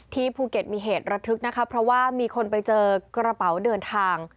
ภูเก็ตมีเหตุระทึกนะคะเพราะว่ามีคนไปเจอกระเป๋าเดินทาง